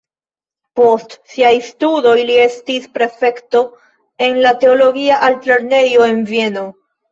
Post siaj studoj li estis prefekto en la teologia altlernejo en Vieno.